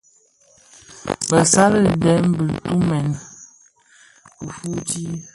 Bësali dèm bëtumèn kifuuti.